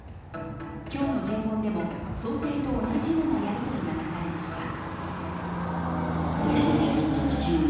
今日の尋問でも想定と同じようなやりとりがなされました。